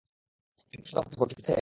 একটু সতর্ক থাকো, ঠিক আছে?